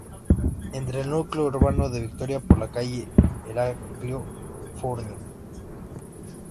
Entra al núcleo urbano de Vitoria por la Calle Heraclio Fournier.